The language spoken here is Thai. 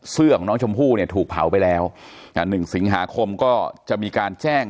ของน้องชมพู่เนี่ยถูกเผาไปแล้ว๑สิงหาคมก็จะมีการแจ้ง